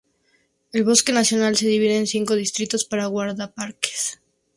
El bosque nacional se divide en cinco distritos para guardaparques.